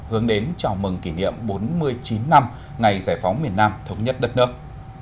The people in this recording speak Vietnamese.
hướng đến chào mừng kỷ niệm bốn mươi chín năm ngày giải phóng miền nam thống nhất đất nước